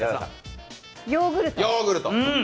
ヨーグルト。